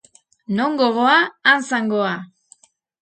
Non gogoa, han zangoa!